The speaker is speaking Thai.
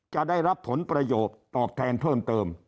จะได้รับผลประโยชน์ตอบแทนเพิ่มเติม